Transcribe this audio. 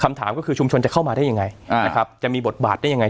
คำถามก็คือชุมชนจะเข้ามาได้ยังไงนะครับจะมีบทบาทได้ยังไง